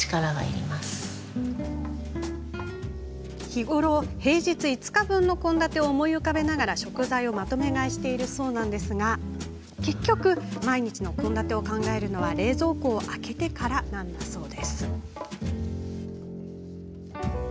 日頃、平日５日分の献立を思い浮かべながら食材をまとめ買いしているそうですが結局、毎日の献立を考えるのは冷蔵庫を開けてからなんだそう。